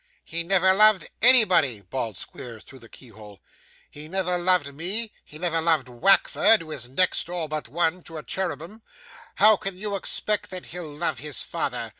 'He never loved nobody,' bawled Squeers, through the keyhole. 'He never loved me; he never loved Wackford, who is next door but one to a cherubim. How can you expect that he'll love his father?